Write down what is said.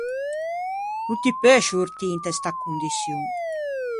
No ti peu sciortî inte sta condiçion.